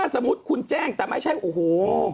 สมมุติคุณแจ้งแต่ไม่ใช่โอ้โห